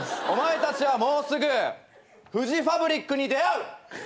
お前たちはもうすぐフジファブリックに出会う！